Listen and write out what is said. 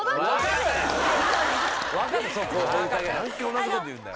同じこと言うんだよ